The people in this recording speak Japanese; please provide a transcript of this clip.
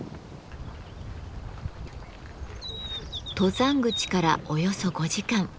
登山口からおよそ５時間。